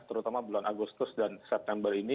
terutama bulan agustus dan september ini